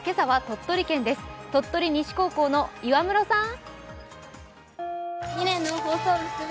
鳥取西高校の岩室さん。